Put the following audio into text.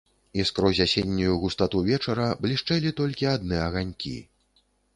І скрозь асеннюю густату вечара блішчэлі толькі адны аганькі.